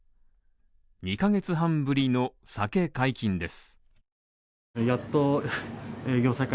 ２ヶ月半ぶりの酒解禁です。